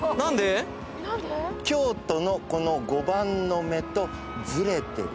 京都の碁盤の目とずれてる。